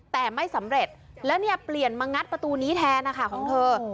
แต่ไม่สำเร็จแล้วเนี่ยเปลี่ยนมางัดประตูนี้แทนนะคะของเธอ